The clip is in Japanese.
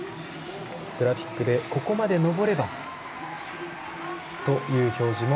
グラフィックでここまで登ればという表示も